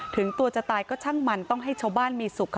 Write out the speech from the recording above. ถึงตัวจะตายก็ช่างมันต้องให้ชาวบ้านมีสุขค่ะ